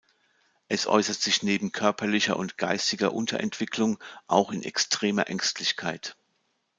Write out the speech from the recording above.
Es äußert sich neben körperlicher und geistiger Unterentwicklung auch in extremer Ängstlichkeit.